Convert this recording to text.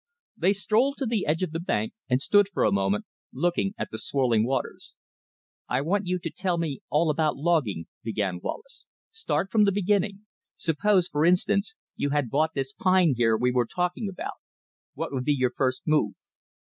They strolled to the edge of the bank and stood for a moment looking at the swirling waters. "I want you to tell me all about logging," began Wallace. "Start from the beginning. Suppose, for instance, you had bought this pine here we were talking about, what would be your first move?"